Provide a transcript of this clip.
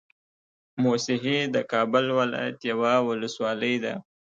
موسهي د کابل ولايت يوه ولسوالۍ ده